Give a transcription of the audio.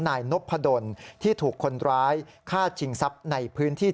นายนพดลที่ถูกคนร้ายฆ่าชิงทรัพย์ในพื้นที่